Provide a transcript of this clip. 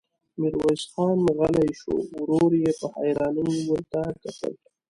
ميرويس خان غلی شو، ورور يې په حيرانۍ ورته کتل.